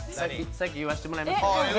先、言わせてもらいます。